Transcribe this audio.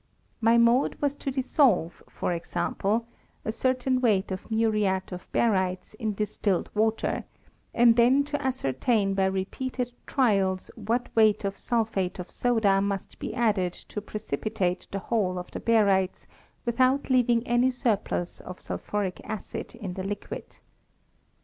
My mode was to dissolve, for example, a certain weight of muriate of barytes in distilled water, and then to ascertain by repeated trials what weight of sulphate of soda must be added to precipi tate the whole of the barytes without leaving any surplus of sulphuric acid m the liquid.